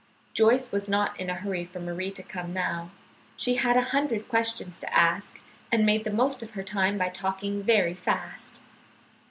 Joyce was not in a hurry for Marie to come now. She had a hundred questions to ask, and made the most of her time by talking very fast.